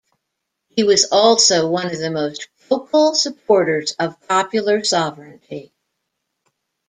He was also one of the most vocal supporters of popular sovereignty.